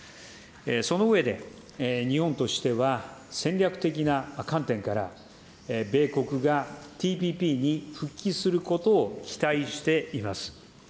その上で、日本としては、戦略的な観点から、米国がＴＰＰに復帰することを期待しています。